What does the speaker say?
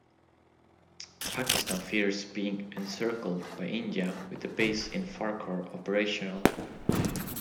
Pakistan fears being encircled by India with the base in Farkhor operational.